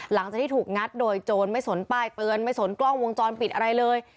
หลังจากที่ถูกงัดโดยโจรไม่สนป้ายเตือนไม่สนกล้องวงจรปิดอะไรเลย